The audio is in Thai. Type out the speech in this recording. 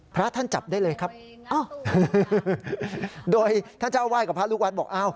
พระท่านจับได้เลยครับโดยท่านเจ้าวาดกับพระลูกวัดบอกอ้าว